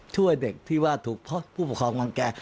ช่วยเด็กที่ว่าถูกเพราะผู้ประคองรังแก่